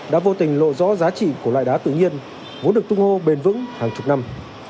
đã vô tình lộ rõ giá trị của loại đá tự nhiên vốn được tung hô bền vững hàng chục năm